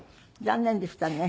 残念でしたね。